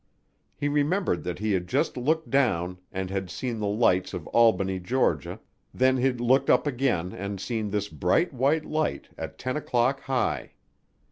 He remembered that he had just looked down and had seen the lights of Albany, Georgia; then he'd looked up again and seen this bright white light at "ten o'clock high."